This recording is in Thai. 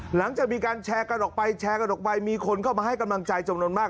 หลังจากมีการแชร์กันออกไปแชร์กันออกไปมีคนเข้ามาให้กำลังใจจำนวนมาก